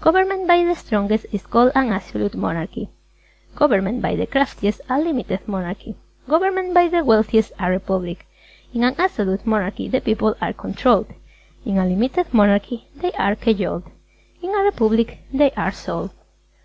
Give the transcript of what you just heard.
Government by the Strongest is called an Absolute Monarchy. Government by the Craftiest, a Limited Monarchy. Government by the Wealthiest, a Republic. In an Absolute Monarchy, the People are Controlled. In a Limited Monarchy, they are Cajoled. In a Republic, they are Sold.